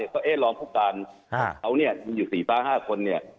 เพราะเอ่ยรองผู้การมีอยู่๔๕คน